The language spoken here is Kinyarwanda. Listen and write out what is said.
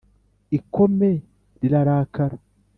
ikome rirakara